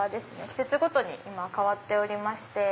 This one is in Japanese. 季節ごとに替わっておりまして。